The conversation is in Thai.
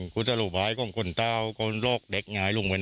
คุณผู้ชมคะถ้าลองย้อนไปดูนะคะที่บอกว่าจุดตรงที่เกิดเหตุที่คลองเปลี่ยน